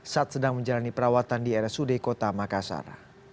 saat sedang menjalani perawatan di rsud kota makassar